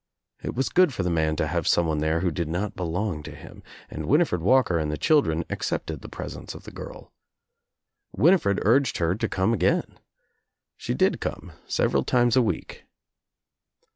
It was good for the man to have some one there who did not belong to him, and Winifred Walker and the children accepted the presence of the girl. Winifred urged her to come again. She did come several times a week.